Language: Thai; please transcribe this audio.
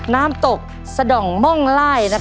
น้ำตกสะด่องม่องไล่